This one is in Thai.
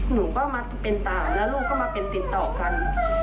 หนูก็มาเป็นตาแล้วลูกก็มาเป็นติดต่อกัน